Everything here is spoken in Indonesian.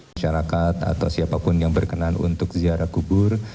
masyarakat atau siapapun yang berkenan untuk ziarah kubur